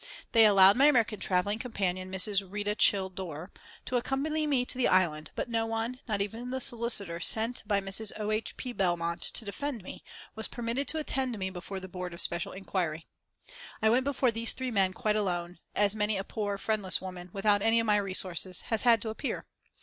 They allowed my American travelling companion, Mrs. Rheta Childe Dorr, to accompany me to the Island, but no one, not even the solicitor sent by Mrs. O. H. P. Belmont to defend me, was permitted to attend me before the Board of Special Inquiry. I went before these three men quite alone, as many a poor, friendless woman, without any of my resources, has had to appear.